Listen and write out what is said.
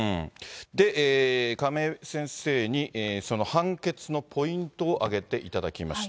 で、亀井先生に、その判決のポイントを挙げていただきました。